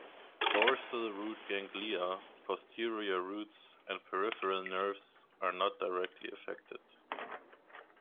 Dorsal root ganglia, posterior roots and peripheral nerves are not directly affected.